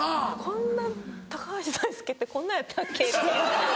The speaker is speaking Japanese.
「こんな高橋大輔ってこんなんやったっけ？」。